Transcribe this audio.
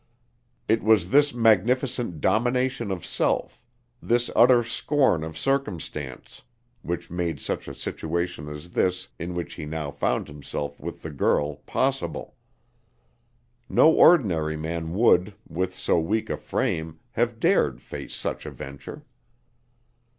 It was this magnificent domination of self, this utter scorn of circumstance, which made such a situation as this in which he now found himself with the girl possible. No ordinary man would, with so weak a frame, have dared face such a venture.